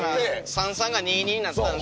３：３が２：２になったんで。